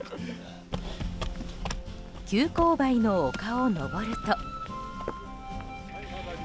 急勾配の丘を登ると。